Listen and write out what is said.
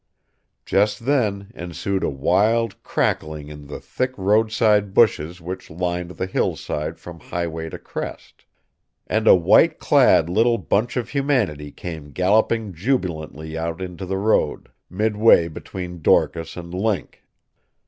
Just then ensued a wild crackling in the thick roadside bushes which lined the hillside from highway to crest. And a white clad little bunch of humanity came galloping jubilantly out into the road, midway between Dorcas and Link.